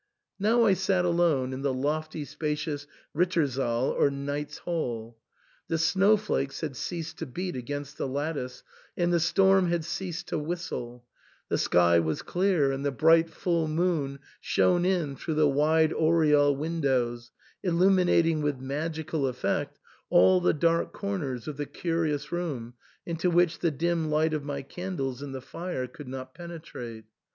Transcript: Now I sat alone in the lofty spacious Rittersaal or Knight's Hall. The snow flakes had ceased to beat against the lattice, and the storm had ceased to whistle ; the sky was clear, and the bright full moon shone in through the wide oriel windows, illuminating with magical effect all the dark corners of the curious room into which the dim light of my candles and the fire could not penetrate.